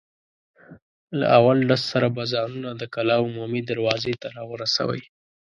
له اول ډز سره به ځانونه د کلا عمومي دروازې ته را رسوئ.